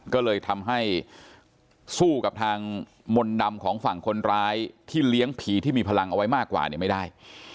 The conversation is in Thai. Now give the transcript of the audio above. ก็เลยทำให้สู้กับทางมนต์ดำของฝั่งคนร้ายที่เลี้ยงผีที่มีพลังเอาไว้มากกว่าเนี่ยไม่ได้